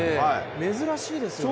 珍しいですよね。